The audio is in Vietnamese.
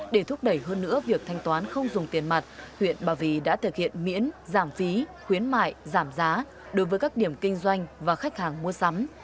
để thúc đẩy hơn nữa việc thanh toán không dùng tiền mặt huyện ba vì đã thực hiện miễn giảm phí khuyến mại giảm giá đối với các điểm kinh doanh và khách hàng mua sắm